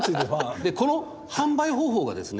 でこの販売方法がですね